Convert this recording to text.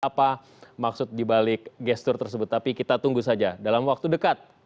apa maksud dibalik gestur tersebut tapi kita tunggu saja dalam waktu dekat